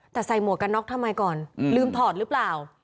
แต่ใส่หมวกกันน็อกทำไมก่อนลืมถอดหรือเปล่า